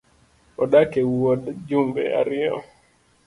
Odak e wuod jumbe ariyo